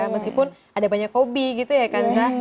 meskipun ada banyak hobi gitu ya kansa